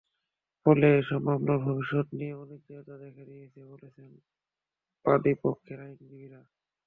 ফলে এসব মামলার ভবিষ্যত নিয়ে অনিশ্চয়তা দেখা দিয়েছে বলছেন বাদীপক্ষের আইনজীবীরা।